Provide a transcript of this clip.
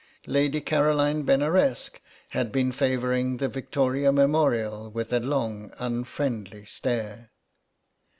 Lady Caroline Benaresq had been favouring the Victoria Memorial with a long unfriendly stare.